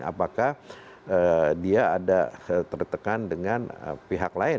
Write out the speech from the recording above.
apakah dia ada tertekan dengan pihak lain